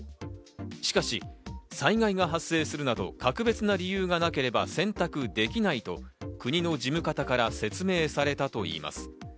しかし災害が発生するなど格別な理由がなければ選択できないと、国の事務方から説明されたといいます。